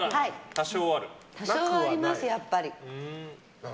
多少はあります、やっぱり。